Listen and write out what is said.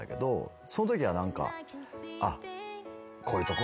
そのときは何かあっ。